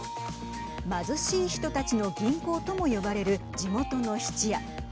貧しい人たちの銀行とも呼ばれる地元の質屋。